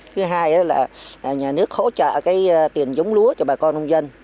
thứ hai là nhà nước hỗ trợ cái tiền giống lúa cho bà con nông dân